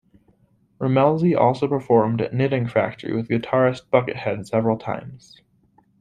Rammellzee also performed at Knitting Factory with guitarist Buckethead several times.